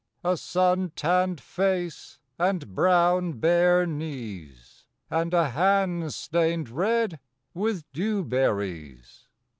A sun tanned face and brown bare knees, And a hand stained red with dewberries.